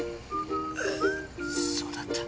あっそうだった。